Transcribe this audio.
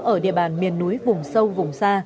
ở địa bàn miền núi vùng sâu vùng xa